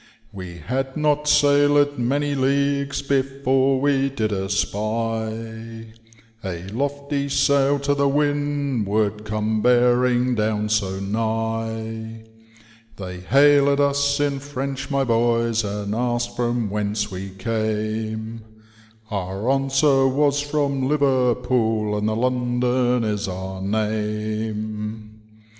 " We had not sailed many leagues before we did espy A lofty sail to the windward come bearing down so nigh ; They hailed us in French, my boys, and ask'd from whence we came, Our answer was ^ From Liverpool, and the London is our name.'